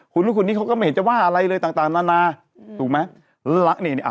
ฮูนลุคควรนี้เขาก็ไม่เห็นจะว่าอะไรเลยต่างต่างนานนาถูกมั้ยอ่ะ